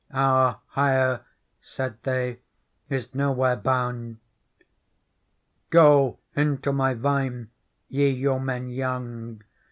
' 'Our hire,' said they, 'is nowhere bound/ ' Go into my vine, ye yeomen young.